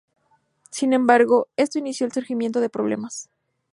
Sin embargo, esto inició el surgimiento de problemas.